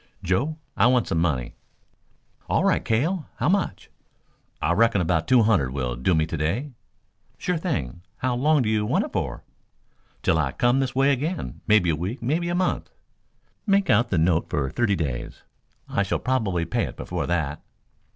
"Joe, I want some money." "All right, Cale. How much?" "I reckon about two hundred will do me today." "Sure thing. How long do you want it for?" "Till I come this way again. Maybe a week, maybe a month. Make out the note for thirty days. I shall probably pay it before that."